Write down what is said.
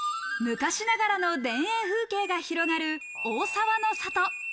昔ながらの田園風景が広がる大沢の里。